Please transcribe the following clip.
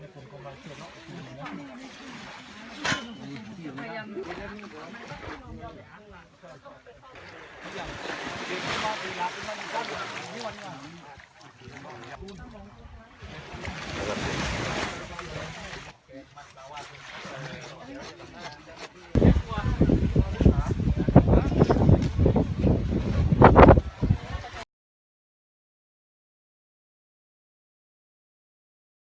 โปรดติดตามตอนต่อไป